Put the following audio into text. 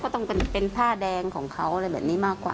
ก็ดอกเคราะห์เนอะ